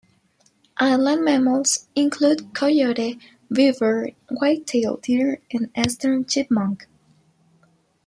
Island mammals include coyote, beaver, white-tailed deer, and eastern chipmunk.